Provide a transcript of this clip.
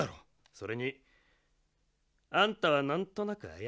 それにあんたはなんとなくあやしい。